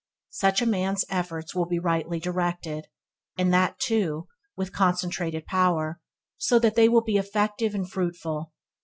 Such a man's efforts will be rightly directed, and that, too, with concentrated power, so that they will be effective and fruitful.